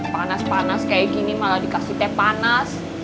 panas panas kayak gini malah dikasih teh panas